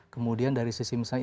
kemudian dari sisi misalnya